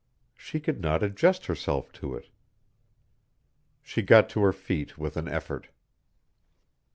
She could not adjust herself to it. She got to her feet with an effort.